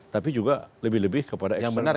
tapi juga lebih lebih kepada eksternal umat islam